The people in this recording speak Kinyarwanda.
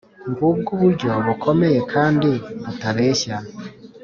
ngubwo uburyo bukomeye kandi butabeshya,